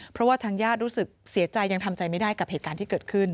เพราะว่าทางญาติรู้สึกเสียใจยังทำใจไม่ได้กับเหตุการณ์ที่เกิดขึ้น